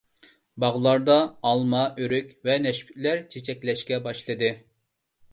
باغلاردا ئالما، ئۆرۈك ۋە نەشپۈتلەر چېچەكلەشكە باشلىدى.